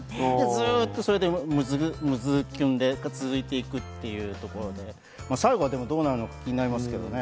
ずっとムズキュンが続いていくというところで、最後どうなるのか気になりますけどね。